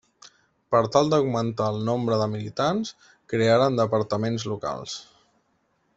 Per tal d'augmentar el nombre de militants, crearen departaments locals.